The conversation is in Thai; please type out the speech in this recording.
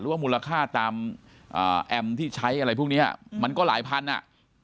ว่ามูลค่าตามแอมป์ที่ใช้อะไรพวกเนี้ยมันก็หลายพันอ่ะ